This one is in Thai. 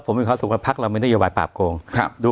ผมมีความสุขว่าพรรคเราไม่ได้อย่าว่าปราบโกงครับดู